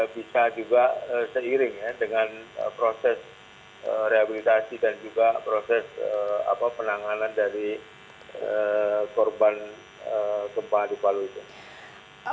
bisa juga seiring ya dengan proses rehabilitasi dan juga proses penanganan dari korban gempa di palu itu